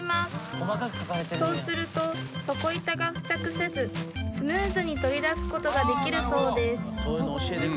「そうすると底板が付着せずスムーズに取り出すことができるそうです」